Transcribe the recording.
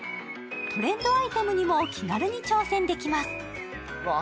トレンドアイテムにも気軽に挑戦できます。